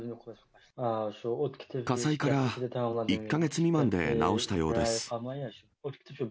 火災から１か月未満で直したようです。